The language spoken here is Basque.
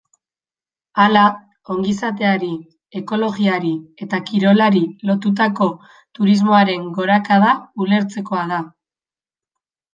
Hala, ongizateari, ekologiari eta kirolari lotutako turismoaren gorakada ulertzekoa da.